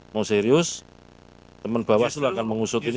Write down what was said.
mau serius teman bawaslu akan mengusut ini